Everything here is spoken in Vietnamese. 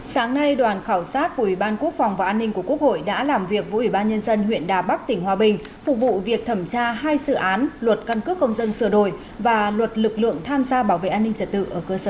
sáng nay đoàn khảo sát của ủy ban quốc phòng và an ninh của quốc hội đã làm việc với ủy ban nhân dân huyện đà bắc tỉnh hòa bình phục vụ việc thẩm tra hai dự án luật căn cước công dân sửa đổi và luật lực lượng tham gia bảo vệ an ninh trật tự ở cơ sở